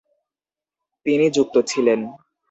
তিনি যুক্ত ছিলেন।